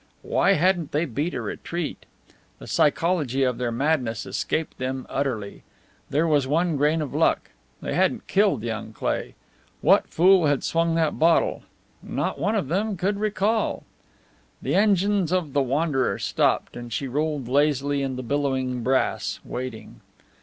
Why hadn't they beat a retreat? The psychology of their madness escaped them utterly. There was one grain of luck they hadn't killed young Cleigh. What fool had swung that bottle? Not one of them could recall. The engines of the Wanderer stopped, and she rolled lazily in the billowing brass, waiting.